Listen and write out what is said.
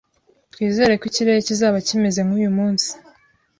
Twizere ko ikirere kizaba kimeze nkuyu munsi.